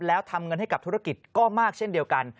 แล้วทำเงินให้กับธุรกิจก็มากเช่นเดียวกัน